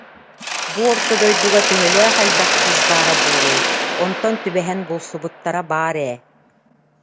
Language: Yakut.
Бу орто дойдуга төһөлөөх элбэх кыыс баара буолуой, онтон түбэһэн булсубуттара баар ээ